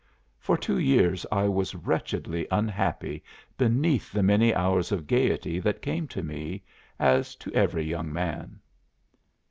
For two years I was wretchedly unhappy beneath the many hours of gaiety that came to me, as to every young man."